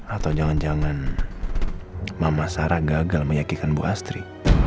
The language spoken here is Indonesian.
atau jangan jangan mama sarah gagal meyakinkan bu astri